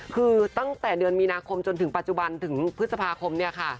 คือตั้งแต่เดือนมีนาคมจนถึงปัจจุบันถึงพฤษภาคมเนี่ยค่ะ